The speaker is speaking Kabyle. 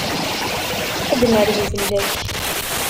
Ad d-nerzu fell-ak.